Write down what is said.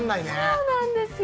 そうなんですよ。